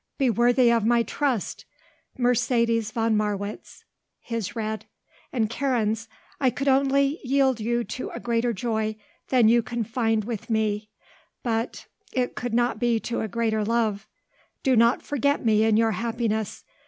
Be worthy of my trust. Mercedes von Marwitz" his read. And Karen's: "I could only yield you to a greater joy than you can find with me but it could not be to a greater love. Do not forget me in your happiness.